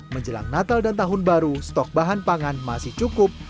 menjelang natal dan tahun baru stok bahan pangan masih cukup